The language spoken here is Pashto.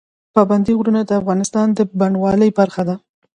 پابندی غرونه د افغانستان د بڼوالۍ برخه ده.